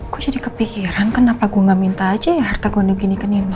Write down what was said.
gue jadi kepikiran kenapa gue gak minta aja ya harta gondogini ke nino